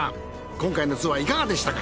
今回のツアーいかがでしたか？